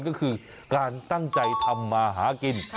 ก็คือการตั้งใจทำมาหากิน